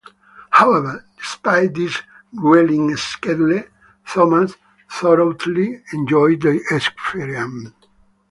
However, despite this grueling schedule, Thomas thoroughly enjoyed the experience.